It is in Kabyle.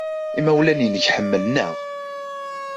Imawlan-nnek ḥemmlen-aɣ.